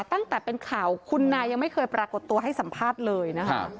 ตั้งแต่เป็นข่าวคุณนายยังไม่เคยปรากฏตัวให้สัมภาษณ์เลยนะคะ